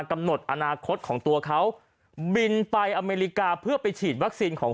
กำหนดอนาคตของตัวเขาบินไปอเมริกาเพื่อไปฉีดวัคซีนของ